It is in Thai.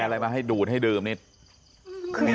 อะไรมาให้ดูดให้ดื่มนี่